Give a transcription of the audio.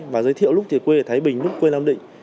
và giới thiệu lúc thì quê ở thái bình lúc quê nam định